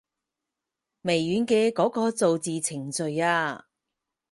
微軟嘅嗰個造字程式啊